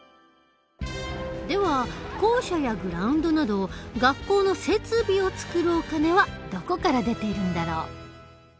では校舎やグラウンドなど学校の設備を作るお金はどこから出ているんだろう？